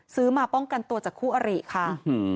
มาป้องกันตัวจากคู่อริค่ะ